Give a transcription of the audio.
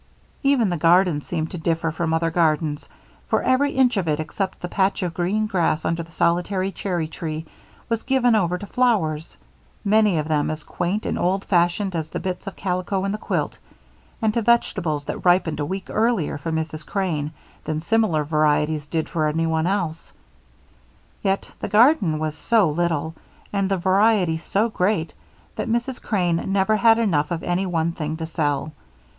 Even the garden seemed to differ from other gardens, for every inch of it except the patch of green grass under the solitary cherry tree was given over to flowers, many of them as quaint and old fashioned as the bits of calico in the quilts, and to vegetables that ripened a week earlier for Mrs. Crane than similar varieties did for anyone else. Yet the garden was so little, and the variety so great, that Mrs. Crane never had enough of any one thing to sell.